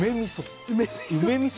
梅みそ。